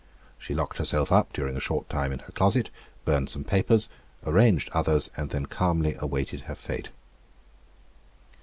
She locked herself up during a short time in her closet, burned some papers, arranged others, and then calmly awaited her fate.